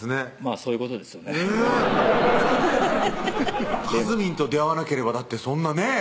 そういうことですよねかずみんと出会わなければだってそんなねぇ